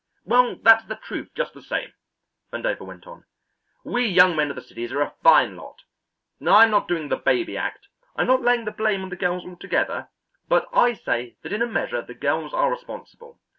"Well, that's the truth just the same," Vandover went on. "We young men of the cities are a fine lot. I'm not doing the baby act. I'm not laying the blame on the girls altogether, but I say that in a measure the girls are responsible.